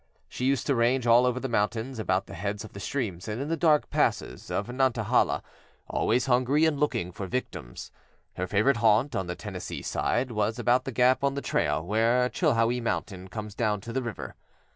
She used to range all over the mountains about the heads of the streams and in the dark passes of Nantahala, always hungry and looking for victims. Her favorite haunt on the Tennessee side was about the gap on the trail where Chilhowee mountain comes down to the river.